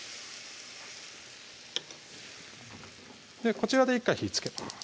こちらで１回火つけます